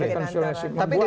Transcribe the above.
rekonsiliasi ya mungkin antara